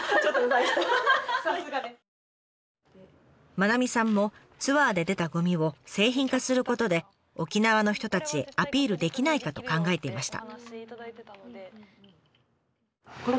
真七水さんもツアーで出たゴミを製品化することで沖縄の人たちへアピールできないかと考えていました。